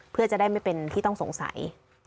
เพื่อจะได้ไม่เป็นที่ต้องสงสัย